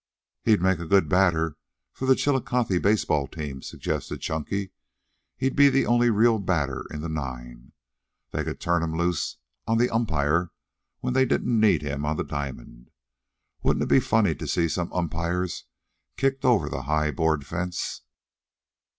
"He'd make a good batter for the Chillicothe baseball team," suggested Chunky. "He'd be the only real batter in the nine. They could turn him loose on the umpire when they didn't need him on the diamond. Wouldn't it be funny to see some umpires kicked over the high board fence?"